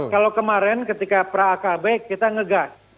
kalau kemarin ketika pra akb kita ngegas